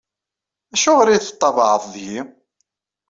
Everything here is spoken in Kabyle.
Acuɣeṛ i teṭṭabaɛed deg-i?